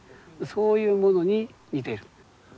そういうものに似てる。